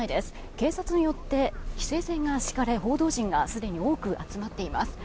警察によって規制線が敷かれ報道陣がすでに多く集まっています。